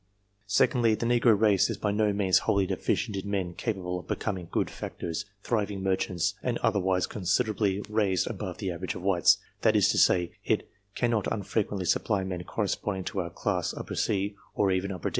Secondly, the negro race is by no means wholly deficient in men capable of becoming good factors, thriving mer chants, and otherwise considerably raised above the average of whites that is to say, it cannot unfrequently supply men corresponding to our class C, or even D.